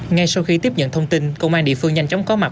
ngay sau khi tiếp nhận thông tin công an địa phương nhanh chóng có mặt